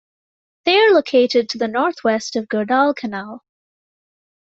They are located to the northwest of Guadalcanal.